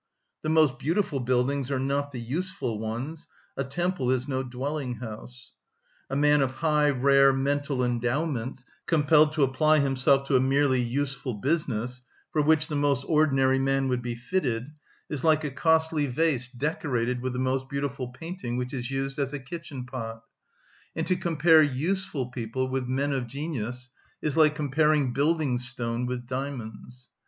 The most beautiful buildings are not the useful ones; a temple is no dwelling‐ house. A man of high, rare mental endowments compelled to apply himself to a merely useful business, for which the most ordinary man would be fitted, is like a costly vase decorated with the most beautiful painting which is used as a kitchen pot; and to compare useful people with men of genius is like comparing building‐stone with diamonds.